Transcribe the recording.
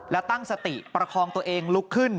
และตั้งสติประคองตัวเองลุกขึ้น